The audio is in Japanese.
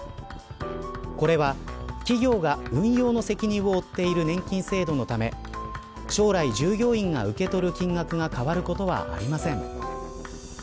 これは、企業が運用の責任を負っている年金制度のため将来、従業員が受け取る金額が変わることはありません。